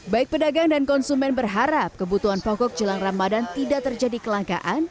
baik pedagang dan konsumen berharap kebutuhan pokok jelang ramadan tidak terjadi kelangkaan